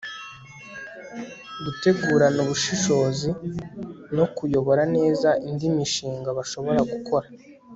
gutegurana ubushishozi no kuyobora neza indi mishinga bashobora gukora